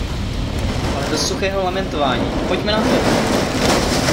Ale dost suchého lamentování, pojďme na to!!!